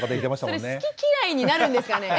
それ好き嫌いになるんですかね？